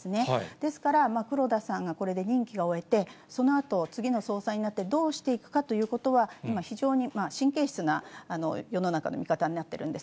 ですから、黒田さんがこれで任期を終えて、そのあと次の総裁になって、どうしていくかということは、今、非常に神経質な世の中の見方になっているんです。